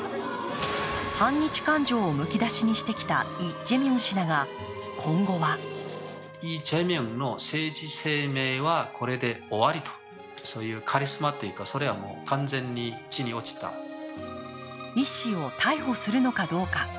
反日感情をむき出しにしてきたイ・ジェミョン氏だが、今後はイ氏を逮捕するのかどうか。